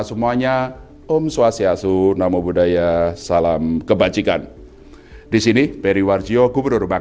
semuanya om swastiastu namo buddhaya salam kebajikan disini periwarjiokubrodurbang